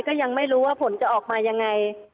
ก็ยังไม่รู้ว่าผลจะออกมายังไง